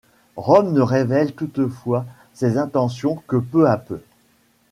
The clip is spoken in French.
Rome ne révèle toutefois ses intentions que peu à peu.